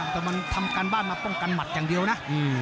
แต่มันทำการบ้านมาป้องกันหมัดอย่างเดียวนะ